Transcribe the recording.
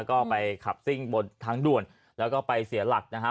ก็ไปขับซิ่งบนทางด่วนแล้วก็ไปเสียหลักนะฮะ